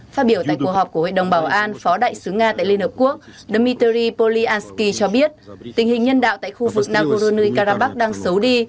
phát biểu tại cuộc họp của hội đồng bảo an phó đại sứ nga tại liên hợp quốc dmitry polyansky cho biết tình hình nhân đạo tại khu vực nagorno karabakh đang xấu đi